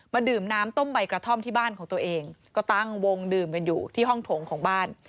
ดื่มน้ำต้มใบกระท่อมที่บ้านของตัวเองก็ตั้งวงดื่มกันอยู่ที่ห้องถงของบ้าน